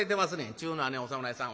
ちゅうのはねお侍さん